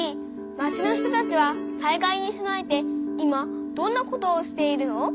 町の人たちは災害に備えて今どんなことをしているの？